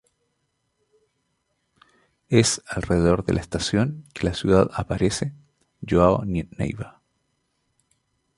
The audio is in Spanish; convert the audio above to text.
Es alrededor de la estación que la ciudad aparece "João Neiva.